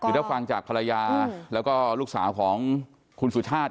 คือถ้าฟังจากภรรยาแล้วก็ลูกสาวของคุณสุชาติ